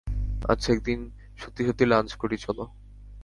আচ্ছা, একদিন সত্যি সত্যি লাঞ্চ করি চল।